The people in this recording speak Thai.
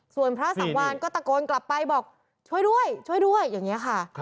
ส่วนพระสังวานก็ตะโกนกลับไปบอกช่วยด้วยช่วยด้วยอย่างนี้ค่ะ